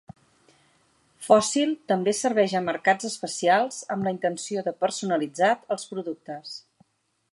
Fossil també serveix a mercats especials amb la intenció de personalitzat els productes.